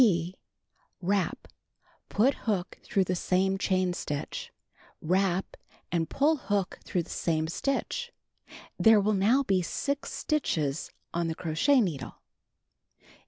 (d) Wrap. Put hook through the same chain stitch. Wrap, and pull hook through the same stitch. There will now be 6 stitches on the crochet needle.